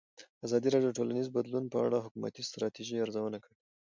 ازادي راډیو د ټولنیز بدلون په اړه د حکومتي ستراتیژۍ ارزونه کړې.